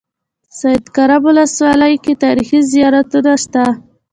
سیدکرم ولسوالۍ کې تاریخي زيارتونه شته.